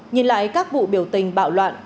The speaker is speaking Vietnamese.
nhìn lại các vụ biểu tình bạo loạn